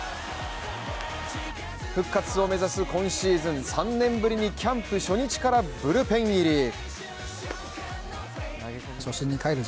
復活を目指す今シーズン、３年ぶりにキャンプ初日からブルペン入り。